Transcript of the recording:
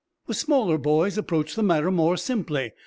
The smaller boys approached the matter more simply.